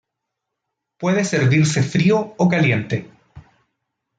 Puede servirse frío o caliente.